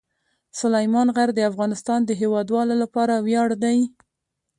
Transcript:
سلیمان غر د افغانستان د هیوادوالو لپاره ویاړ دی.